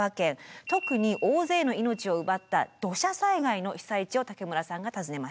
特に大勢の命を奪った土砂災害の被災地を武村さんが訪ねました。